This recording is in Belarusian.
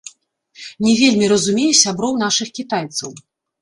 Не вельмі разумею сяброў нашых кітайцаў.